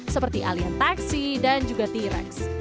seperti alian taksi dan juga t rex